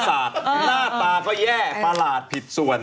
หน้าตาก็แย่ประหลาดผิดส่วน